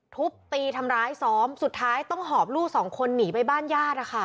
ทุบตีทำร้ายซ้อมสุดท้ายต้องหอบลูกสองคนหนีไปบ้านญาติ